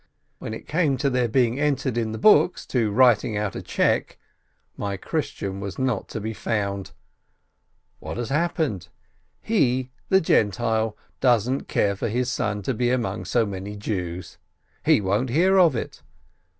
When it came to their being entered in the books, to writing out a check, my Christian was not to be found ! What has happened? He, the Gentile, doesn't care for his son to be among so many Jews — he won't hear of it!